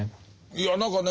いや何かね